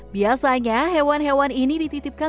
biasanya hewan hewan ini dititipkan